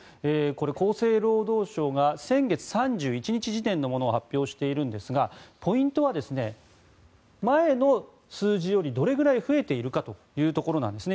厚生労働省が先月３１日時点のものを発表しているんですがポイントは前の数字よりどれぐらい増えているかというところなんですね。